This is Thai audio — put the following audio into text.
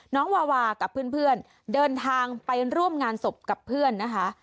วาวากับเพื่อนเดินทางไปร่วมงานศพกับเพื่อนนะคะ